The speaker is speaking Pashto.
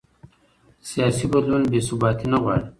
سیاسي بدلون بې ثباتي نه غواړي